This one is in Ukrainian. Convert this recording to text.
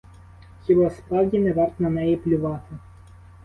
Хіба справді не варт на неї плювати?